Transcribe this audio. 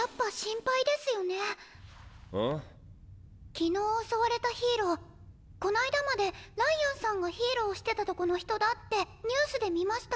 昨日襲われたヒーローこないだまでライアンさんがヒーローしてたとこの人だってニュースで見ました。